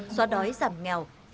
xóa đói giảm nghèo